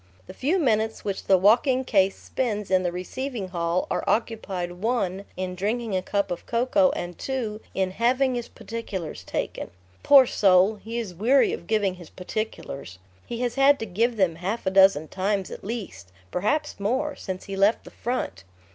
The few minutes which the walking case spends in the receiving hall are occupied (1) in drinking a cup of cocoa, and (2) in "having his particulars taken." Poor soul! he is weary of giving his "particulars." He has had to give them half a dozen times at least, perhaps more, since he left the front.